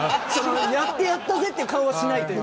やってやったぜという顔はしないというか。